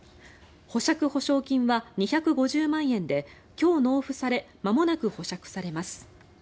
保釈保証金は２５０万円で今日、納付されまもなく保釈されます。